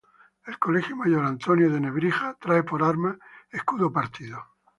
El Colegio Mayor Antonio de Nebrija trae por armas: Escudo partido.